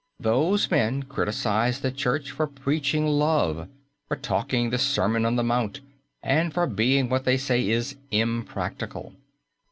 Those men criticize the Church for preaching love, for talking the Sermon on the Mount, and for being what they say is "impractical."